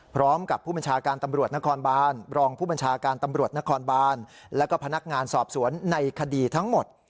พร้อมกับผู้บัญชาการตำรวจนครบานรองผู้บัญชาการตำรวจนครบานแล้วก็พนักงานสอบสวนในคดีทั้งหมด